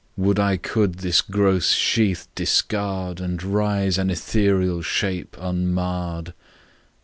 ... Would I could this gross sheath discard, And rise an ethereal shape, unmarred!"